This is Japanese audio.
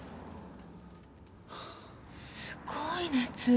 すごい熱。